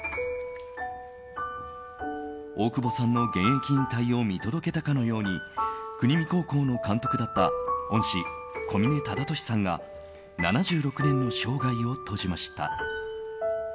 大久保さんの現役引退を見届けたかのように国見高校の監督だった恩師・小嶺忠敏さんが７６年の生涯を閉じました。